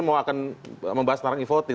mau akan membahas tentang e voting